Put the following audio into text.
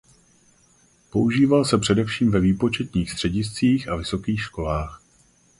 Používal se především ve výpočetních střediscích a vysokých školách.